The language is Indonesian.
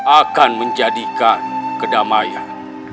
akan menjadikan kedamaian